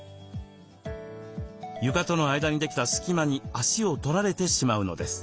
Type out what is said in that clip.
床との間にできた隙間に足を取られてしまうのです。